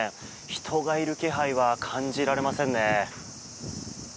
人がいる気配は感じられませんね。